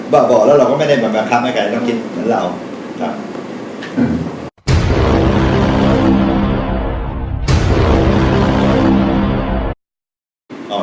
บอกแล้วเราก็ไม่ได้มาบังคับให้ใครต้องคิดเหมือนเราครับ